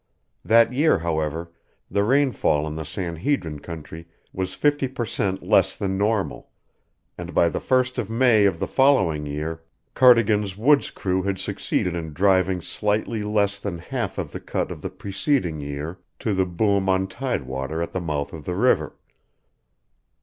That year, however, the rainfall in the San Hedrin country was fifty per cent. less than normal, and by the first of May of the following year Cardigan's woods crew had succeeded in driving slightly less than half of the cut of the preceding year to the boom on tidewater at the mouth of the river.